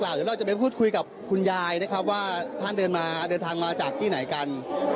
เดี๋ยวเราจะไปพูดคุยกับคุณยายนะครับว่าท่านเดินมาเดินทางมาจากที่ไหนกัน